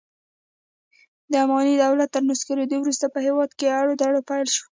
د اماني دولت تر نسکورېدو وروسته په هېواد کې اړو دوړ پیل شو.